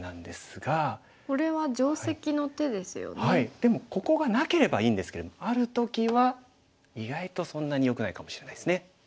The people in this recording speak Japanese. でもここがなければいいんですけどもある時は意外とそんなによくないかもしれないですね。